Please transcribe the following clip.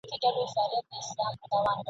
شور وو ګډ په وړو لویو حیوانانو ..